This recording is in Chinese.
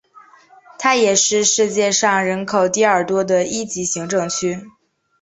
它也是世界上人口第二多的一级行政区。